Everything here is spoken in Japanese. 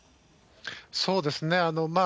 そうですね。